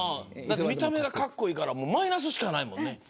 見た目がかっこいいからマイナスしかない。